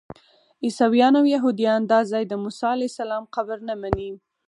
عیسویان او یهودیان دا ځای د موسی علیه السلام قبر نه مني.